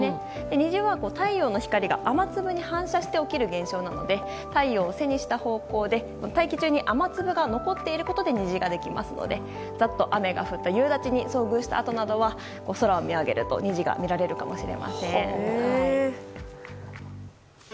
虹は、太陽の光が雨粒に反射して起きる現象なので太陽を背にした方向で大気中に雨粒が残っていることで虹ができますのでざっと雨が降った夕立に遭遇したあとなどは本物のステータスとは何でしょう？